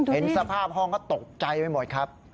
เห็นสภาพห้องก็ตกใจไปหมดครับ